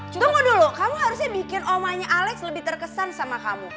juga mau dulu kamu harusnya bikin omanya alex lebih terkesan sama kamu